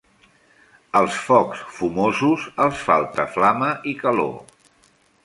Als focs fumosos els falta flama i calor.